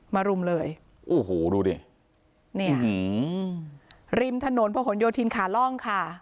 มารุ่มเลยอู้หูดูดิเนี่ยอือหือริมถนนพระขนโยชน์ทีนขาล่องค่ะ